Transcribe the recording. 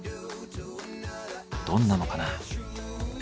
どんなのかな。